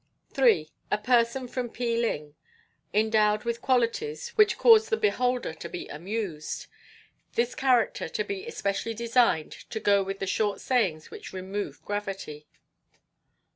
3. A person from Pe ling, endowed with qualities which cause the beholder to be amused. This character to be especially designed to go with the short sayings which remove gravity.